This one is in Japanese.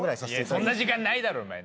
そんな時間ないだろお前なあ。